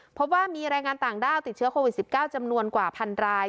เพราะว่ามีแรงงานต่างด้าวติดเชื้อโควิด๑๙จำนวนกว่าพันราย